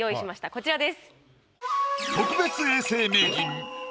こちらです。